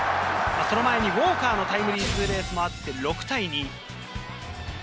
その前にウォーカーのタイムリーツーベースもあって６対２。